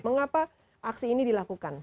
mengapa aksi ini dilakukan